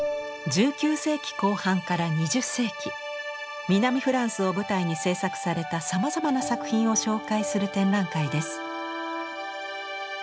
１９世紀後半から２０世紀南フランスを舞台に制作されたさまざまな作品を紹介する展覧会です。